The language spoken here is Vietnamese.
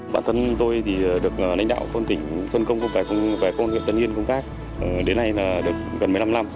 bản thân tôi được lãnh đạo phân tỉnh phân công về công an huyện tân yên công tác đến nay gần một mươi năm năm